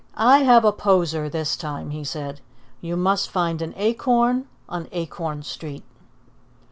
"I have a poser this time," he said. "You must find an acorn on Acorn Street."